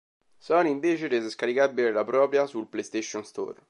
Sony invece rese scaricabile la propria sul PlayStation Store.